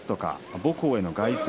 母校への凱旋